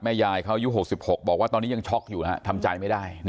แม่ยายเขายุค๖๖บอกว่าตอนนี้ยังช็อกอยู่นะฮะทำจ่ายไม่ได้